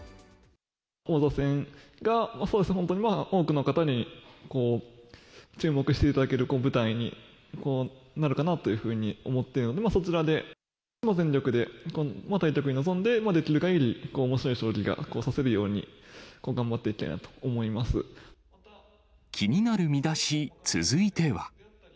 王座戦が、そうですね、まあ本当に多くの方に注目していただける舞台になるかなというふうに思ってるので、そちらで全力で、対局に臨んで、できるかぎりおもしろい将棋が指せるように、気になるミダシ、続いては。